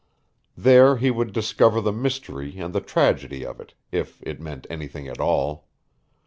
There he would discover the mystery and the tragedy of it, if it meant anything at all.